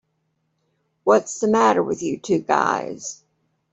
What's the matter with you two guys?